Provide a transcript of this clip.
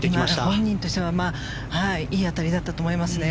本人としてはいい当たりだったと思いますね。